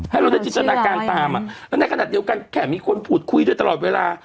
ให้เราได้จินตนาการตามและในขณะเดียวกันแค่มีคนพูดคุยด้วยตลอดเวลา